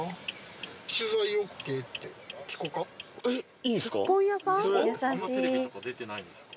えっいいんすか？